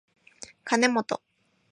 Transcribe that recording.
かねもと